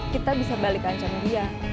kita bisa balik ancam dia